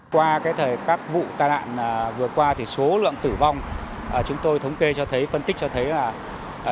qua các vụ tai nạn vừa qua thì số lượng tử vong chúng tôi thống kê cho thấy phân tích cho thấy là